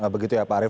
begitu ya pak arief